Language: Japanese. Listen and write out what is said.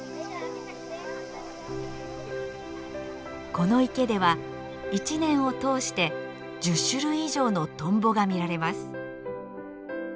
この池では１年を通して１０種類以上のトンボが見られます。